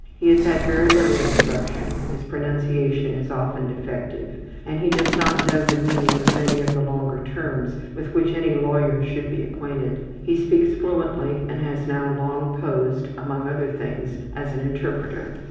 He has had very little instruction, his pronunciation is often defective and he does not know the meaning of many of the longer terms with which any lawyer should be acquainted. He speaks fluently and has now long posed, among other things, as an interpreter.